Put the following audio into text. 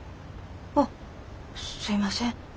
あっすいません。